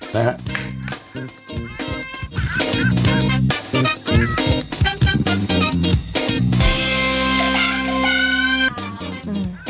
นะฮะ